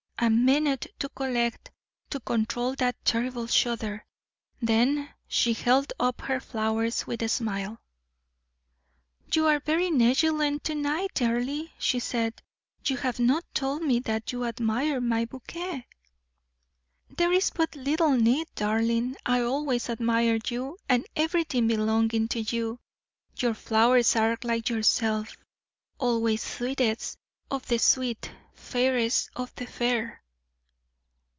A minute to collect, to control that terrible shudder, then she held up her flowers with a smile. "You are very negligent to night, Earle," she said; "you have not told me that you admire my bouquet." "There is but little need, darling. I always admire you and everything belonging to you. Your flowers are like yourself always sweetest of the sweet, fairest of the fair!"